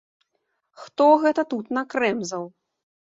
Хто гэта тут накрэмзаў?